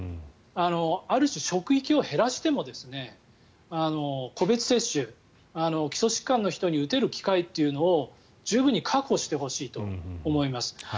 ある種、職域を減らしても個別接種基礎疾患の人に打てる機会というのを十分に確保してほしいと思います。